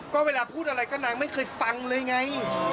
ก็เวลาพูดอะไรก็นางไม่เคยฟังเลยไง